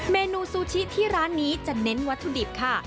เมนูซูชิที่ร้านนี้จะเน้นวัตถุดิบค่ะ